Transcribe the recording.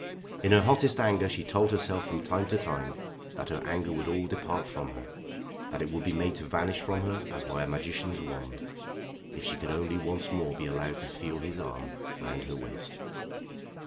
In her hottest anger she told herself from time to time that her anger would all depart from her, that it would be made to vanish from her as by a magician's wand, if she could only once more be allowed to feel his arm round her waist.